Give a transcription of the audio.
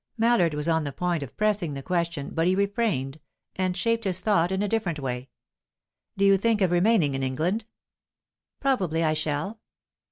Mallard was on the point of pressing the question, but he refrained, and shaped his thought in a different way. "Do you think of remaining in England?" "Probably I shall."